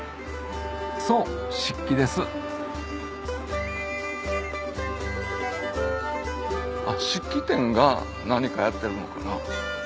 そう漆器です漆器店が何かやってるのかな？